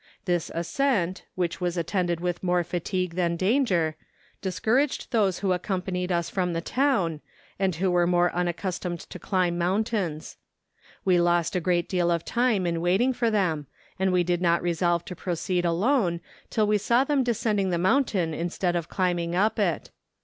This ascent, which was attended with more fatigue than danger, discouraged those who accompanied us from the town, and who were unaccustomed to climb moun¬ tains. We lost a great deal of time in waiting for them, and we did not resolve to proceed alone till we saw them descending the mountain instead of climb¬ ing up it.